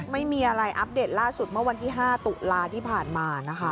ไม่มีอะไรอัปเดตล่าสุดเมื่อวันที่๕ตุลาที่ผ่านมานะคะ